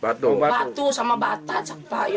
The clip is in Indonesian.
batu sama batah